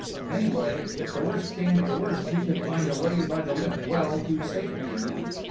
Anyway, if the worst came to the worst, he could find a way by the lift well to safety again.